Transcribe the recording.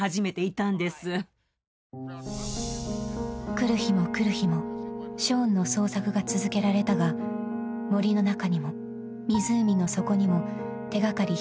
［来る日も来る日もショーンの捜索が続けられたが森の中にも湖の底にも手掛かり一つ見つけられない］